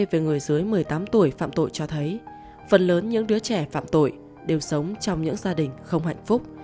về người dưới một mươi tám tuổi phạm tội cho thấy phần lớn những đứa trẻ phạm tội đều sống trong những gia đình không hạnh phúc